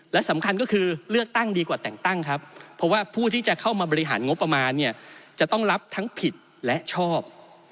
และสำคัญก็คือเลือกตั้งดีกว่าแต่งตั้งครับเพราะว่าผู้ที่จะเข้ามาบริหารงบประมาณเนี่ยจะต้องรับทั้งผิดและชอบ